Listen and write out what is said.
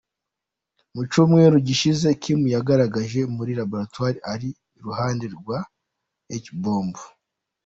Mu cyumweru gishize Kim yagaragaye muri Laboratoire ari iruhande rwa H-bomb